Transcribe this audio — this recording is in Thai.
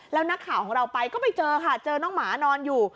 แล้วนักข่าวของเราไปก็ไปเจอค่ะเจอน้องหมานอนอยู่